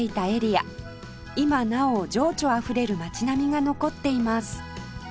今なお情緒あふれる街並みが残っています